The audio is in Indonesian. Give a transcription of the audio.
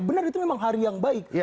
benar itu memang hari yang baik